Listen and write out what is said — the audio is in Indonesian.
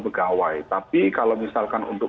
pegawai tapi kalau misalkan untuk